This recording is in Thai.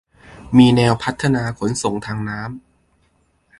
มีแนวพัฒนาขนส่งทางน้ำ